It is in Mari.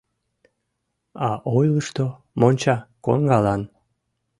А ойлышто: монча коҥгалан.